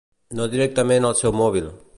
No directament al seu mòbil.